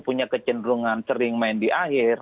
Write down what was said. punya kecenderungan sering main di akhir